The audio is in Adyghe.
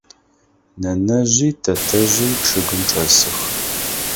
Нэнэжъи тэтэжъи чъыгым чӏэсых.